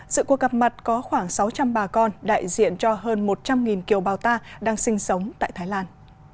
sự cuộc gặp mặt có khoảng sáu trăm linh bà con đại diện cho hơn một trăm linh kiều bào ta đang sinh sống tại thái lan